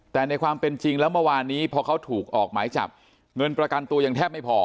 แต่ในความเป็นจริงแล้วเมื่อวานนี้พอเขาถูกออกหมายจับเงินประกันตัวยังแทบไม่พอ